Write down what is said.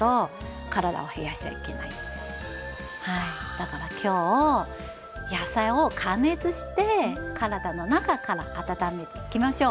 だから今日野菜を加熱して体の中から温めていきましょう。